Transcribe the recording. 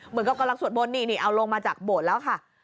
เหมือนกับกำลังสวดบนนี่เอาลงมาจากโบสถ์แล้วค่ะ